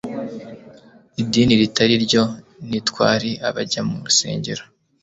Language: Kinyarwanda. Idini ritari ryo ntitwari abajya mu rusengero